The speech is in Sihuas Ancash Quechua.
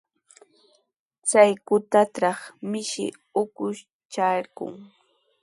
Chay kutatraw mishi ukush charirqun.